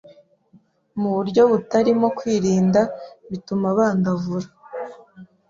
mu buryo butarimo kwirinda bituma bandavura